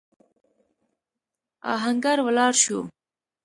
آهنګر ولاړ شو.